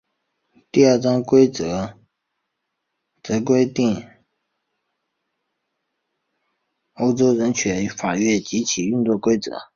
第二章则规定欧洲人权法院及其运作规则。